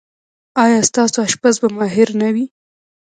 ایا ستاسو اشپز به ماهر نه وي؟